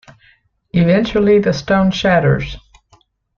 Eventually the stone shatters.